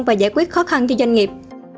và giải quyết khó khăn cho doanh nghiệp